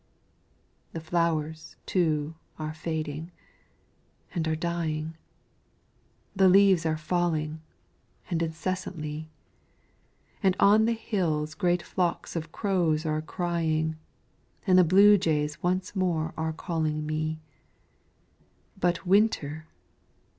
The flowers, too, are fading and are dying, The leaves are falling, and incessantly, And on the hills great flocks of crows are crying, And the blue jays once more are calling me; But Winter!